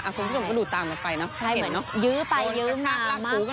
อ่ะคนที่ส่งก็ดูตามกันไปน่ะใช่เห็นเนอะยื้อไปยื้มน้ำมากกว่า